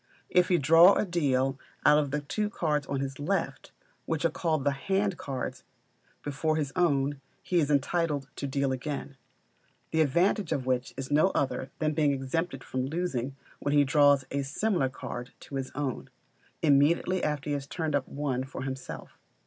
If he draw or deal out the two cards on his left, which are called the hand cards, before his own, he is entitled to deal again; the advantage of which is no other than being exempted from losing when he draws a similar card to his own, immediately after he has turned up one for himself.